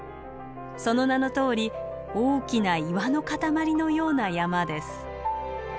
その名のとおり大きな岩の塊のような山です。